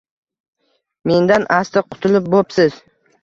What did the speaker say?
Mendan asti qutulib bo`psiz